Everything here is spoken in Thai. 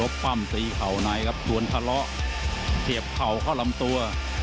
ดีเข้าในครับส่วนทะเลาะเขียบเข่าเข้าลำตัว